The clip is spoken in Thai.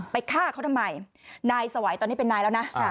ฆ่าเขาทำไมนายสวัยตอนนี้เป็นนายแล้วนะ